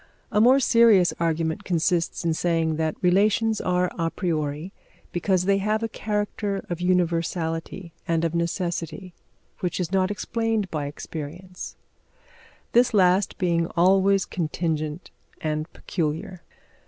A more serious argument consists in saying that relations are a priori because they have a character of universality and of necessity which is not explained by experience, this last being always contingent and peculiar.